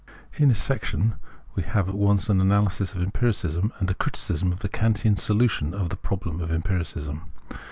In this section we have at once an analysis of empiricism and a critici.sm of the Kantian solution of the problem of empiricism.